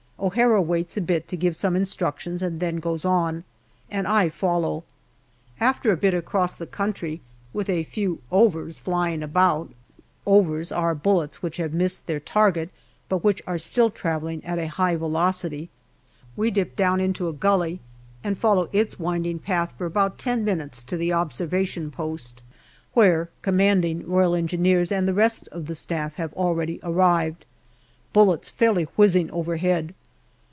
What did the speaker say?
O'Hara waits a bit to give some instructions and then goes on, and I follow. After a bit across the country, with a few " overs " flying about (" overs " are bullets which have missed their target, but which are still travelling at a high velocity), we dip down into a gully and follow its winding path for about ten minutes to the observation post, where C.R.E. and the rest of the Staff have already arrived. Bullets fairly whizzing overhead.